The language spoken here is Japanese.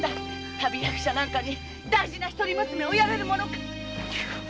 旅役者なんかに大事な一人娘をやれるものかい！